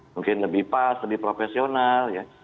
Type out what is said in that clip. mungkin lebih pas lebih profesional ya